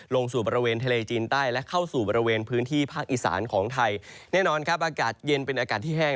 ลงสู่บริเวณทะเลจีนใต้และเข้าสู่บริเวณพื้นที่ภาคอีสานของไทยแน่นอนครับอากาศเย็นเป็นอากาศที่แห้ง